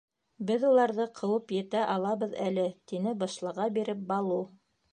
Беҙ уларҙы ҡыуып етә алабыҙ әле! — тине бышлыға биреп Балу.